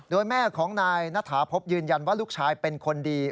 โดยแม่ของนายณฐาพบยืนยันว่าลูกชายเป็นคนดี